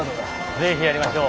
是非やりましょう。